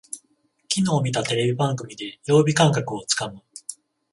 きのう見たテレビ番組で曜日感覚をつかむ